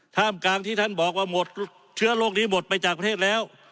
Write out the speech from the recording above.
ท่ามกลางที่ท่านบอกว่าหมดเชื้อโรคนี้หมดไปจากประเทศแล้ว